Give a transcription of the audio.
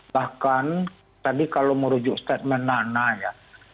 bahkan tadi kalau merujuk statement nana ya